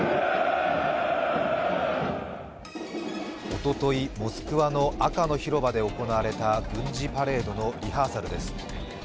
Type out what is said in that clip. おとといモスクワの赤の広場で行われた軍事パレードのリハーサルです。